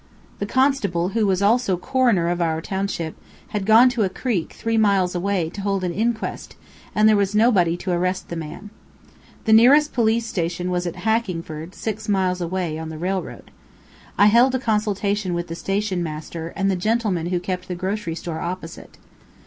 The constable, who was also coroner of our township, had gone to a creek, three miles away, to hold an inquest, and there was nobody to arrest the man. The nearest police station was at Hackingford, six miles away, on the railroad. I held a consultation with the station master, and the gentleman who kept the grocery store opposite.